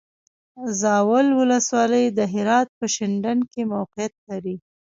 زاول ولسوالی د هرات په شینډنډ کې موقعیت لري.